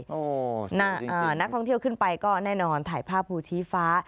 โอ้โหนักท่องเที่ยวขึ้นไปก็แน่นอนถ่ายภาพภูชีฟ้า